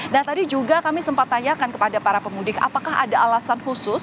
nah tadi juga kami sempat tanyakan kepada para pemudik apakah ada alasan khusus